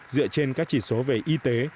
dựa trên các chỉ số về y tế